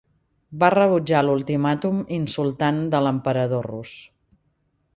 Va rebutjar l'ultimàtum insultant de l'emperador rus.